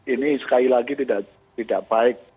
ini sekali lagi tidak baik